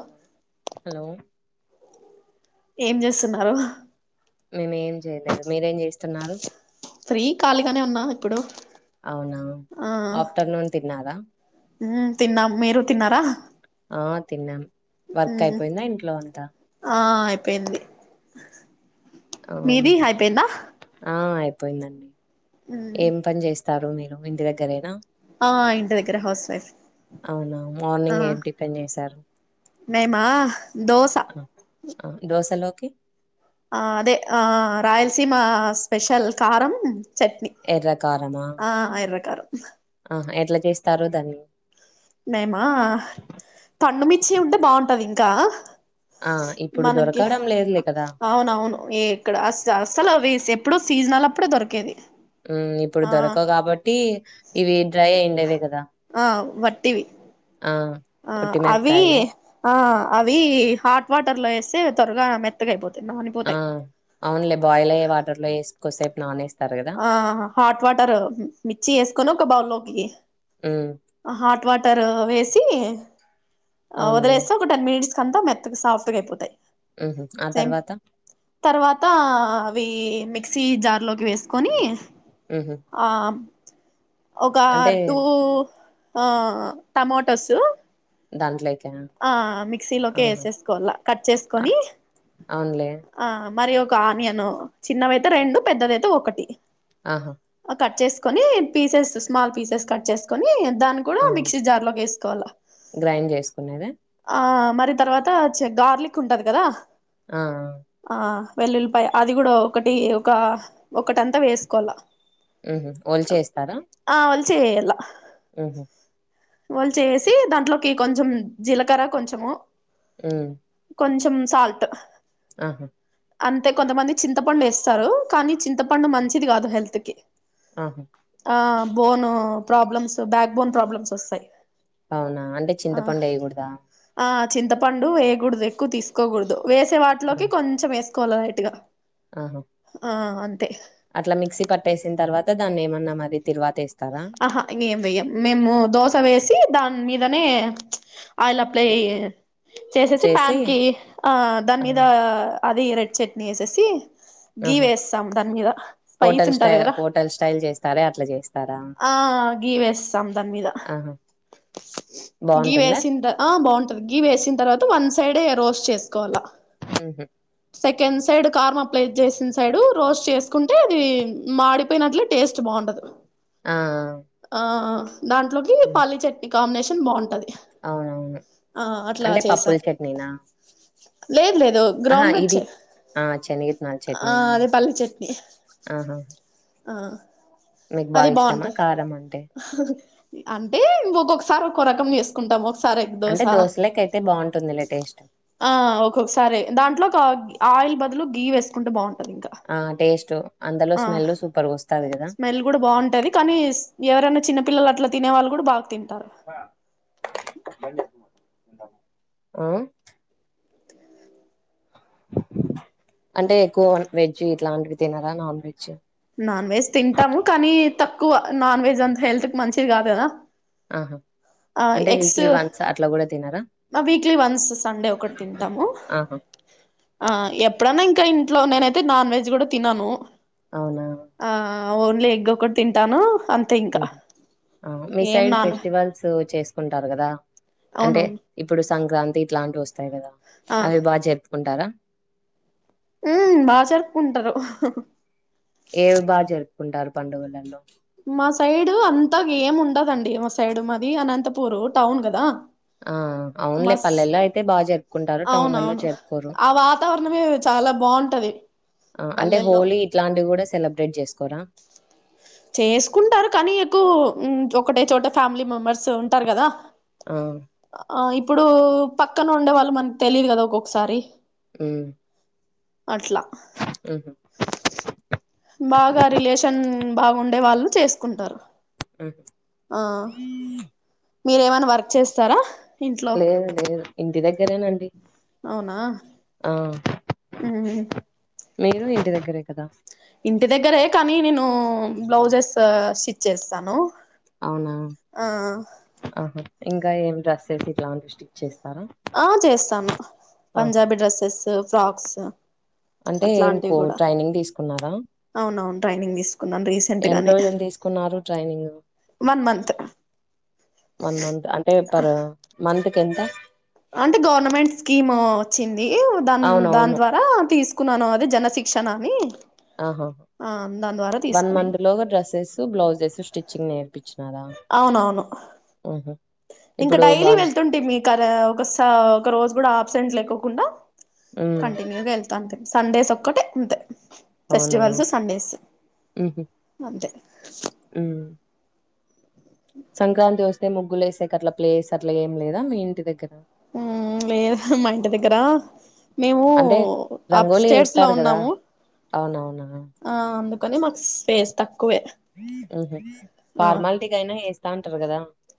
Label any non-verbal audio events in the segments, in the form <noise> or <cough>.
Hello hello ఏం చేస్తున్నారు హ్ మేమేం చేయలేదు మీరేం చేస్తున్నారు ఫ్రీ ఖాళీగానే ఉన్న ఇప్పుడు అవునా ఆ ఆఫ్టర్ నూన్ తిన్నారా తిన్నం మీరు తిన్నారా హా ఆ తిన్నం వర్క్ అయిపోయిందా ఇంట్లో అంతా ఆ అయిపోయింది మీది హైయిపోయిందా యిపోయిందండి ఏం పని చేస్ తారు మీరు ఇంటి దగ్గరేనా ఆ ఇంటి దగ్గర హౌస్ వైఫ్ అవునా ఆ మార్నింగ్ ఏం టిఫిన్ మేమా దోస ఆ దోసలో కి ఆ అదే ఆ రాయలసీమ స్పెషల్ కారం చట్నీ ఎర్ర కారమా ఆ ఎర్ర కారం ఆహా ఎట్లా చేస్తారో దాని చి ఉంటే బాగుంటది ఇంకా ఆ ఇప్పుడు మనకి దొరకడం లేదులే కదా అవునవును ఇక్కడ అస్ అసలు వీసే ఇప్పుడు సీజనల్ అప్పుడే దొరికేది ఇప్పుడు ఆ దొరకవు కాబట్టి ఇవి డ్రై అయిండేవి కదా. టివి ఆ ఆ ఒట్టి అవి మిరపకాయలు ఆ అవి హాట్ వాటర్ లో వేస్తే త్వరగా మెత్తగాయిపోతాయి. ఆ అవునులే బాయిల్ అయ్యే వాటర్ లో వేసుకోసేపు నానేే ఆ హాట్ వాటర్, మిర్చి వేసుకొని ఒక బౌల్లో ఎ ఊ టవాటర్ వేసి మొదల అవునులే ఎసా ఒక టెన్ మినిట్స్ కంతా మెత్తగా సాఫ్ట్గా అయిపోతాయి. ఉ ఆ సేమ్ తర్వాత తర్వాత అవి మిక్సీ జార్లోకి వేసుకొని హుహు. ఆ ఒక అంటే టూ ఆ టమటస్ దాంట్లో ఆ మిక్సీలోకి వేసేసుకోవాలా, కట్ అ చేసుకొని అవునులే. ఆ మరి ఒక కానియను చిన్నవైతే రెండు, పెద్దదైతే ఒకటి ఆహా కట్ చేసుకుని పీసెస్, స్మాల్ పీసెస్ కట్ చేసుకుని దాన్ని కూడా ఆ! మిక్సీ జార్ లోకి వేసుకోవాలా గ్రైండ్ చేసుకునేదా? ఆ మరి తర్వాత చె గార్లిక్ ఉంటది కదా ఆ ఆ వెల్లుల్లిపాయ అది కూడా ఒకటి, ఒక ఒకటంతా వేసుకోవాలి. ఉహ ఓలు చేస్తారా చేయలా ఉహా వాళ్ళు చేసి దాంట్లోకి కొంచెం జీలకర్ర కొంచము ఉ కొంచెం సాల్ట్ ఆహా అంతే కొంతమంది చింతపండు వేస్తారు. కానీ చింతపండు మంచిది కాదు హెల్త్ కి. ఆ హ్ ఆ bone problems backbone problems వస్తాయి అవునా అంటే ఆ చింతపండు వయ్యకూడదా ఆ చింతపండు ఎయగూడదు ఎక్కువ తీసుకోకుడదు. వేసే ఆ! వాటిలోకి కొంచెం వేస్ కొ లైట్ గా ఆ అం తే అట్ల మిక్సీ పట్టేసిన తర్వాత దాన్ని ఏమన్నా మరి తిరువాత‌ ఏస్ అహ ఇంగేం వెయ్యం మేము దోస వేసి దాని మీ దనే ఆయిల్ అప్లై చేసేసి చేసి ప్యాన్ కి ఆ దాని ఆ! మీదా అది రెడ్ చట్నీ ఏసెసి ఆ హా స్పైస్ హోటల్ ఉంటది స్టై కదా హోటల్ స్టైల్ చేస్తారే అట్లా చేస్తారా? ఆ గీ వేస్తాం దాని మీద ఆహా! గీ బావుంటుందా? వేసిన్ ఆ బాగుంటది గీ వేసిన తర్వా వన్ సైడే రోస్ట్ చేసుకోవాలా హుహు. కింద్ సైడ్ కారమప్లై చేసిన సైడు రోస్ట్ చేసుకుంటే అది మాడిపోయినట్లు టేస్ట్ బాగుండదు ఆ ఆ దాంట్లోకి హ్మ్. పల్లీ చట్నీ కాంబినేషన్ బావుంటది. అవునవును అంటే పప్పుల చట్నీనా లేద్ లేద్ అహా ఇది ఆ చెన్గిత్తనాల ఆ చట్నీనా అదే పల్లీ చట్నీ ఆ హా ఆ మీకు బాగ అది ఇష్టమా బాగుంటది కారం అంటే? అంటే ఉంగొక్కొక్కసారి ఒక్కో రకం చేసుకుంటాము ఓ సారి ఎగ్ అంటే దోస దోసలకైతే బావుంటుందిలే టేస్ట్. ఆ ఒక్కోకసారి దాంట్లోకు ఆయిల్ బ అందులో గీ వేసుకుంటే బాగుం ఆ టేస్టు అందలో స్మెల్ సూపర్ గా వస్తాది కదా. స్మెల్ కూడ బాగుంటది కానీ ఎవరైనా చిన్న పిల్లలు అట్ల తినే వాళ్ళు కూడా బాగ్ తిం అమ్మ పల్లీలు మ్మ్ అంటే ఎక్కువ వెజ్ ఇట్లాంటివి తినరా నాన్ వెజ్ నాన్ వెజ్ తింటాము కానీ తక్కువ నాన్ వెజ్ అంత హెల్త్ మంచిది కాదు కదా ఆహా! అంటే ఎగ్స్ వీక్లీ వన్స్ అట్లా గూడా తినరా? వీక్లీ వన్స్ సండే ఒకటి తింటాము ఆహా! ఎప్పుడనా ఇంకా ఇంట్లో నేనైతే నాన్ వెజ్ కూడా తినను అవునా ఆ ఓన్లీ ఎగ్ ఒకటి తింటాను అంతే ఇంకా ఏం మిసైడ్ నాన్ ఫెస్టివల్స్ చేస్ కుంటారు కద అంటే అవునవును ఇప్పుడు సంక్రాంతి ఇట్లాంటివి వస్తు టయి కదా ఆ అవి బా జరుపు కుంటారా ఉ బాగా జరుపుకుంటరు ఏ బా జరుపు కుంటారు పండుగలలో సైడు అంతా ఏం ఉండదండి మా సైడు మాది అనంతపూరు టౌన్ కదా ఆ అవునులే, మస్ పల్లెల్లో అయితే బాగా జరుపుకుంటారు, టౌన్లలో అవునవును జరుపుకోరు ఆ వాతావరణమే చాలా బాగుంటది ఆ అంటే పల్లెల్లో హోలీ ఇట్లాంటివి కూడా సెలబ్రేట్ చేసుకోరా చేసుకుంటారు కానీ ఎక్కువ్ మ్ ఒకటే చోట ఫ్యామిలీ మెంబర్స్ ఉంటారు కదా ఆ అ ఇ ఇప్పుడూ పక్కన ఉండే వాళ్ళు మనకి తెలిదు కదా ఒక్కొక్కసారి మ్ అట్ల బాగా రిలేషన్ బాగుండే వాళ్ళు చేసుకుంటారు మ్ ఆ మీరేమైనా వర్క్ చేస్తారా ఇంట్లో లేదు లేదు ఇంటి దగ్గరేనండి అవునా ఆ ఊహు మీరు ఇంటి దగ్గరే కదా దగ్గరే కానీ నేను బ్లౌజెస్ స్టిచ్ చేస్తాను అవునా ఆ హ ఇంకా ఏం డ్రెస్సెస్ ఇట్లాంటివి స్టిచ్ చేస్ ఆ చేస్తాను ఆహా పంజాబీ డ్రెస్సెస్ ఫ్రాక్స్ అంటే అట్లాంటివి మీకు ట్రైనింగ్ తీసుకున్నారా ట్రైనింగ్దీస్ ఎన్ని రోజులు తీసుకున్నారు training one month one month అంటే పర్ మంత్ కెంత అంటే గవర్నమెంట్ స్కీమూ వచ్చింది ఈ దాన్ దాని అవునవును ద్వారా తీసు కున్నాన అది జన శిక్షణ అని ఆహాహ ఆ దాని ద్వారా వన్ తీసుకున్నాను మంత్ లోగా డ్రెస్సెస్ బ్లౌజెస్ స్టిచ్ చి నేర్పిిచ్చి అవునవును ఇంకా ఇప్పుడు డైలీ బానే వెళ్తుంటే మీకు అరా ఒకస ఒక రోజు కూడా అబ్సెంట్ లేకోకుండా ఉమ్ కంటిన్యూగెళ్త అంతే సండేస్ ఒక్కటే అంతే అవునా ఫెస్టివల్స్ సండేస్ ఉహు అంతే ఉమ్ సంక్రాంతి వస్తే ముగ్గులేసేకట్లా ప్లేస్ అట్లా ఏం లేదా మీ ఇంటి దగ్గర మ్మ్ లేదుగా మంటి దగ్గరా మేము అంటే ఆప్ రంగోలీ స్టేట్స్లో వేస్తారు కదా ఉన్నాము అవునవునా ఆ అందు కానీ మాకు స్పేస్ తక్ మ్ ఫార్మాలటీకైనా ఏస్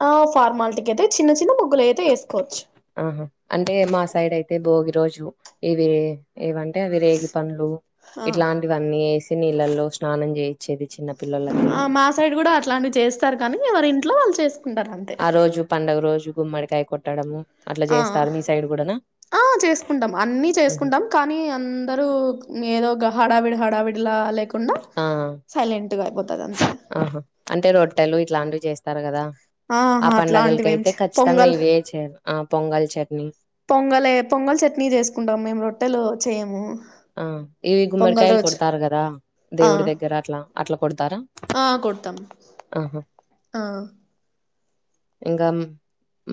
ఆ ఫార్మాలల్టికైతే చిన్న చిన్న మగ్గులే ఆహా అంటే మా సైడైతే భోగి రోజు ఏవి ఏవ <unintelligible> పన్లు ఆ ఇట్లాంటివన్నీ ఏస్ నీళ్ళల్లో స్నానం చేయిచ్చేది చిన్న పిల్లలకి ఆ మా సైడ్ గూడా అట్లాంటివి చేస్తారు కానీ ఎవరిం ట్లా వాళ్ళు చేేస్ ఆరోజు పండుగ రోజు గుమ్మడికాయ కొట్టడము అట్లా ఆ చేస్తారు మీ సైడ్ కూడానా ఆ చేసుకుంటాం అన్నీ చేసుకుంటాం కానీ అందరూ ఏదోగా హడాడవి హడావిడలా లే ఆ అంతే ఆహా అంటే రొట్టెలు ఇట్లాంటివి చేస్ తారు కదా ఆ ఆహా పండగలకి అట్లాంటివేమ్ అయితే చె ఖచ్చితంగా పొంగల్ ఇవే చేయాలి ఆ పొంగల్ చట్నీ పొంగలే పొంగల్ చట్నీ చేసుకుంటాం మేము రొట్టెలు చేయము ఆ ఇవి పొంగల్ గుమ్మడికాయలు రోజు కొడతారు కదా ఆ దేవుడి దగ్గరట్లా అట్లా కొడతారా ఆ కొడతాం ఆహా ఆ ఇంకా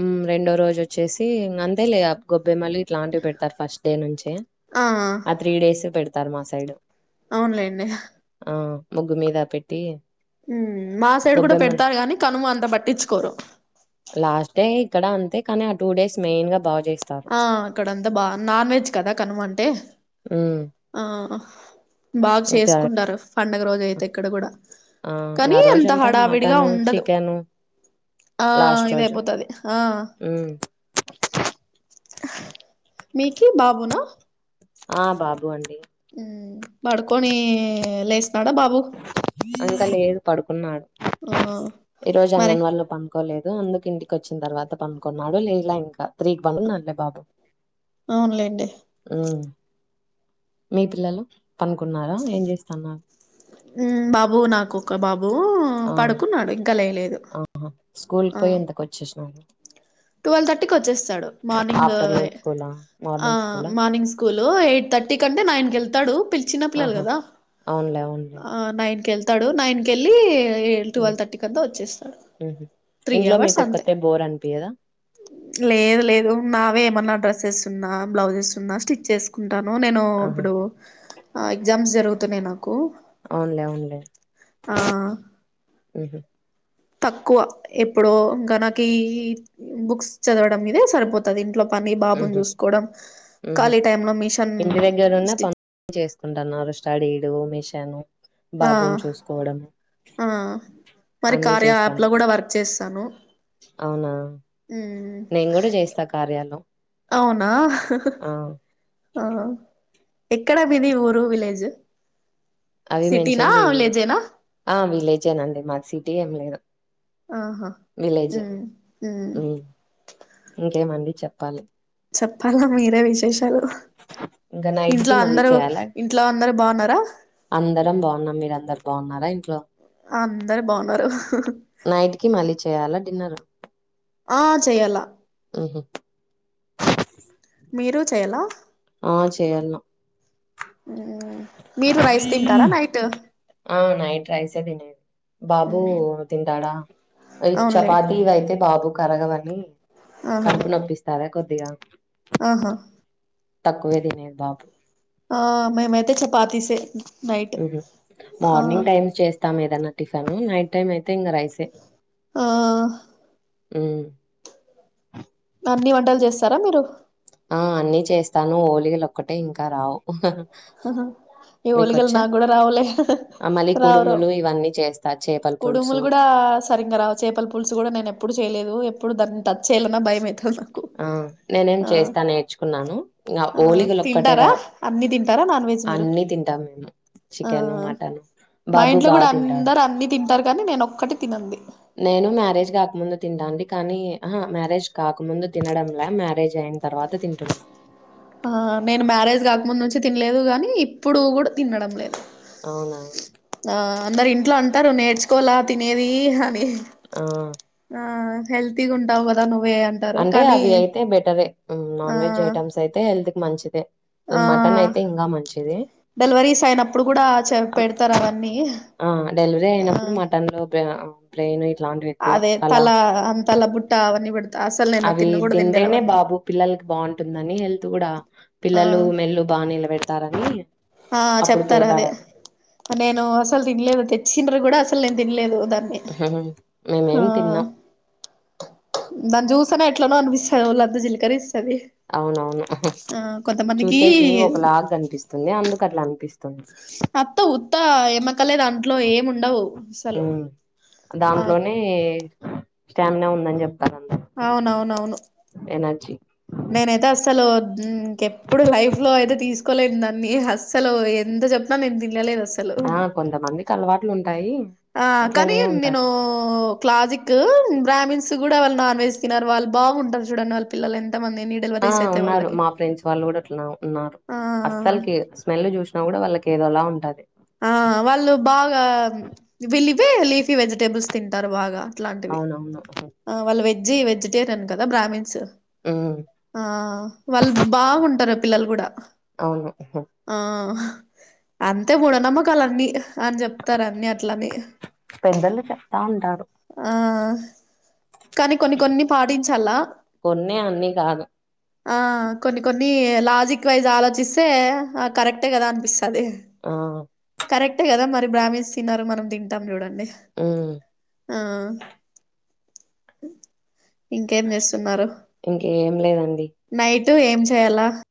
మ్ రెండో రోజొచ్చేసి ఇంకంతేలే గొ మళ్ళీ ఇట్లాంటివి పెడ్తారు ఫస్ట్ డే నుంచే ఆ బేస్ పెడతారు మా సైడ్ అవున్లెండి ఆ ముగ్గు మీదా పెట్టి మ్ మా సైడ్ కూడా గొబ్బెమ్మలు పెడతారు గాని కనుమ అంత పట్టించుకోరు లాస్ట్ డే ఇక్కడా అంతే కానీ ఆ టూ డేస్ మెయిన్ గా బావుచే ఆ అక్కడంతా బా నాన్వెజ్ కదా కనుమంటే హ్మ్. ఆ బాగ్ అయితే చేస్కుంటారు పండగ రోజైతే ఇక్కడ కూడా ఆ! ఆ కానీ అంత రోజంతా హడావిడిగా మటను, ఉండదు చికెను ఆ లాస్ట్ ఇదయ్ రోజు. పోతది ఆ హ్మ్. మీకీ బాబునా ఆ! బాబు అండి. మ్ పడుకొనీ లేస్ అంతా లేదు పడుకున్నాడు ఆ ఈ రోజు మరి అంగన్ వాళ్ళు పంకోలేదు అందుకు ఇంటికి వచ్చిన తర్వాత పనుకున్నాడు లేవాలే ఇంకా తిగి పడున్నాలే బాబు అవునులెండి మితుల్లలో అనుకున్నారా ఏం చేస్తున్నారు బాబు నాకు ఒక బాబు ఆ పడుకున్నాడు ఇంకా లేయలేదు ఆ స్కూల్కి పోయి ఎంతకు వచ్చేసినడు ట్వల్ థర్టీ వచ్చేస్తాడు మార్నింగ్ ఆఫ్టర్నూన్ స్కూలా మార్నింగ్ స్కూలా మార్నింగ్ స్కూల్ ఎయిట్ థర్టీ కంటే నైన్ వెతాడు చిన్న పిల్లలు ఆహా కదా అవునులే అవునులే న తాడు నైన్కెళ్ళి ఏ ఉమ్ ట్వెల్వ్ థర్టీ క అంతా వచ్చేస్తాడు ఉహు త్రీ ఇంట్లో అవర్స్ అంతే మీకొక్కతే బోర్ అనిపియదా లేదు లేదున్నావే ఏమన్నా డ్రెస్సెస్ ఉన్నా బ్లౌజెస్ ఉన్నా స్టిచ్ చేసుకున్నా ంటాన నేను ఆహా ఇప్పుడు ఎగ్జామ్స్ జరుగుతున్నాయి నాకు కు అవునులే అవునులే ఆ ఉహు తక్కువ ఎప్పుడో ఇంకా నాకి బుక్స్ చదవడం మీదే సరిపోతుంది ఇంట్లో పని బాబును ఉహు చూసుకోవడం ఉహు ఖాళీ టైమ్ లో మిషన్ ఇంటి దగ్గరున్న స్ట్ పనులు చేసుకుంటున్నారు స్టడీలు మిషను ఆ బాబుని చూసుకోవడం మరి అన్ని కార్య యాప్ లో చేస్తాను కూడా వర్క్ చేస్తాను అవునా మ్మ్ నేను కూడా చేస్తా కార్యాలో అవునా హా ఆ ఆ ఎక్కడ మీది ఊరు విలేజ్ అవి సిటీనా మెన్షన్ చేయగుడదు విలేజేనా జే నండి మా సిటీ ఏం లేదు ఆహా విలేజ్ ఉమ్ ఉమ్ హుమ్ ఇంకేమండి చెప్ పలి చెప్పాలా మీరే విశేషాలు ఇంకా నైట్ ఇంట్లో కి మళ్ళీ అందరు చేయాలా ఇంట్లో అందరు బావున్నారా అందరం బావున్నాం మీరందరు బావున్నారా ఇంట్లో అందరు బాగున్నారు నైట్ కి మళ్ళీ చేయాలా డిన్నర్ ఆ చెయ్యాల హు హు మీరు చెయాల ఆ చేయాల్లా ఉమ్ మీరు రైస్ తింటారా నైట్ ఆ నైట్ రైసే తినేది బాబు ఉమ్ తింటాడా అవునులే చపాతి అయితే బాబు కరగదని ఆహా కడుపు నొప్పిస్తదా కొద్దిగా ఆహా తక్కువే దినేది బాబు ఆ మేమైతే చపాతి సే మార్నింగ్ టైమ్స్ చేస్తాం ఏదన్నా టిఫన్ నైట్ టైమ్ అయితే ఇంగ రైసే ఆ హుమ్ అన్ని వంటలు చేస్తారా మీరు ఆ అన్ని చేస్తాను ఓలిగలు ఒక్కటే ఇంకా రావు హా హా ఈ ఓలిగలు మీకొచ్చా నాకు కూడా రావులే ఆ మళ్ళీ రావు రావు కుడుములు ఇవన్నీ చేస్తా చేపల కుడుములు పులుసు గుడా సరిగా రావు చేపల పులుసు కూడా నేను ఎప్పుడు చేయలేదు ఇప్పుడు దాన్ని టచ్ చేయాలన్నా భయంమైతుంద్ ఆ నేనేం చేస్తా నేర్చుకున్నాను ఇంకా ఆ ఓలిగలు ఒక్కటే తింటారా రావు అన్ని తింటారా నాన్ వెజ్ మీరు అన్ని తింటాం ఆ చికెను మటను మా బాబు ఇంట్లో కూడా బాగ్ తింటాడు అందరు అన్ని తింటారు కానీ నేనో నేను మ్యారేజ్ కాకముందు తింటంటి కానీ అహా మ్యారేజ్ కాకముందు తినడం లే మ్యారేజ్ అయిన తర్వాత తింటున్నా ఆ నేను మ్యారేజ్ కాకముందు నుంచి తినలేదు గానీ ఇప్పుడు గుడా తినడం లేదు అవునా ఆ అందరు ఇంట్లో అంటారు నేర్చుకోవాల తినేది అని. ఆ ఆ హెల్తి గుంటావ్ కదా నువ్వు అంటే అవి అయితే బెటర ఆ నాన్ వెజ్ ఐటమ్స్, అయితే హెల్త్ మంచిదె ఆ డెలివరీస్ అయినప్పుడు కూడా పెడతారు. అవన్నీ ఆ ప్లైన్ అదే తల అంతల బుట్ట తవన్న పడుంది. అవి తింటేనే బాబు పిల్లలకి బాగుంటుందని, తకుడ ఆ పిల్లలు మెల్లు బాగా నిలబెడతారని ఆ అప్పుడు చెప్తార అదే పెడతారని నేను అసలు తినలేదు తెచ్చిండ్రు కూడా అసలు నేను తినలేదు. దాన్ని ఆహ్ హ ఆ మేమేం తిన్నాం. దాన్ని చూసానే ఎట్లనో అనిపిస్తాది ఒళ్ళంతా జిల్కరిస్తది. అవునవును ఉహ్ కొంతమందికి చూసేకి ఒక లాగ కనిపిస్తుది. అందుకు అట్లా అనిపిస్ అత్తు త్త ఎమ అక్కలే దాంట్లో ఏము ఉండవు. అసలు ఉమ్. ఆ స్టామిన ఉందని చెప్ అవునవునవును ఎనర్జీ నేనైతే అసలు ఉమ్ ఇంకెప్పుడు లైఫ్ లో అయితే తీసుకోలేని దాన్ని, అస్సలు ఎంత చెప్ న నేన్ విన్ ఆ కొంతమందికి అలవాటు ఆ కానీ నేను క్లాజికు, గ్రామీన్స్ త కూడా వాళ నాన్ వెజ్ తినరు, వాళ్ళ బాగుంటరు చూడండి వాళ పిల్లలు ఎన్ ఆ ఉన్నారు మా ఫ్రెండ్స్ వాళ్ళు కూడా అట్లా ఉన్నారు. ఆ అస్సలకి స్మెల్ చూసినా కూడా వాళ్ళకి ఏదోలా ఉ ఉంటది ఆ వాళ్ళు బాగా వీలివే లీఫీ వెజిటేబుల్స్ తింటారు. బాగా ఇట్లాంటివి అవునవును ఆ వాళ్ళ విజ్జి వెజటరియన్ కదా బ్రమీన్స్ ఉమ్, ఆ వాళ్ళు బాగుంటరు ఎ పిల్లలు కూడా అవును హ్ అం తే మూఢనమ్మకాలన్ని హ్ అని చెప్తారు అన్ని అట్లనే పెద్దలు చెప్తా ఉంటారు ఆ <inaudible> కానీ కొన్ని కొన్ని పాటించాల కొన్ని అన్ని కాదు ఆ కొన్ని కొన్ని లాజిక్ వైజ్ ఆలోచిస్తే ఆ కరెక్టే కదా అనిపిస్తది ఆ కరెక్టే కదా మరి బ్రాహ్మిన్స్ తినరు మనం తింటాం చూడండి డిహ్ ఉమ్ ఆ <inaudible> ఇంకేం చేస్తున్నారు ఇంకేం లేదండి నైట్ టు ఏం చేయాలా